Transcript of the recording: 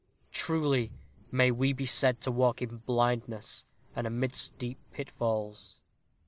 Truly may we be said to walk in blindness, and amidst deep pitfalls.